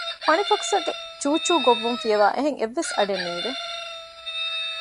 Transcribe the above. ފަނިފަކުސާގެ ޗޫޗޫ ގޮއްވުން ފިޔަވައި އެހެން އެއްވެސް އަޑެއް ނީވެ